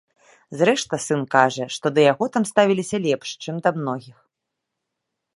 Зрэшты, сын кажа, што да яго там ставіліся лепш, чым да многіх.